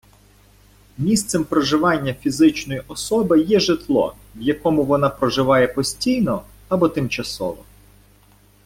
Місцем проживання фізичної особи є житло, в якому вона проживає постійно або тимчасово.